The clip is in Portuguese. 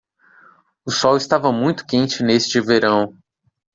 O sol estava muito quente neste verão.